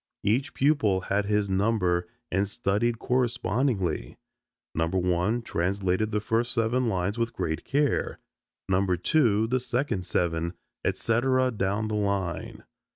Each pupil had his number and studied correspondingly: number one translated the first seven lines with great care, number two the second seven, et cetera down the line.